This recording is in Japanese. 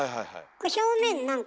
これ表面何かね